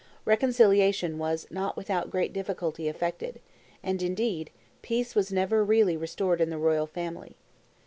Reconciliation was not without great difficulty effected; and, indeed, peace was never really restored in the royal family.